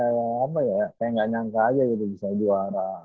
awalnya sih kayak apa ya kayak gak nyangka aja gitu bisa juara